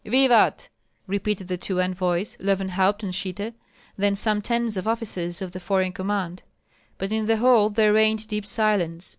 '" "Vivat!" repeated the two envoys, Löwenhaupt and Schitte; then some tens of officers of the foreign command. But in the hall there reigned deep silence.